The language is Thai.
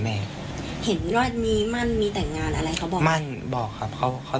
อ๊ะสรภาพแหล่ะเปล่า